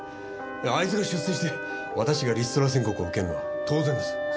あいつが出世して私がリストラ宣告を受けるのは当然です。